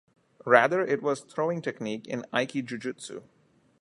Rather it was throwing technique in "aiki-jujutsu".